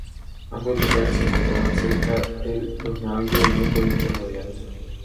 Ambos lugares se encontraban cerca del Danubio y no podían ser rodeados.